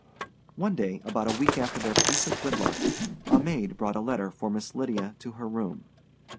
One day, about a week after their piece of good luck, a maid brought a letter for Miss Lydia to her room.